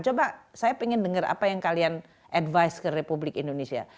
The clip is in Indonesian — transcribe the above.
coba saya ingin dengar apa yang kalian advice ke republik indonesia